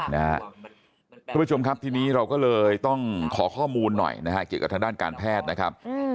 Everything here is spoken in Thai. คุณผู้ชมครับทีนี้เราก็เลยต้องขอข้อมูลหน่อยนะฮะเกี่ยวกับทางด้านการแพทย์นะครับ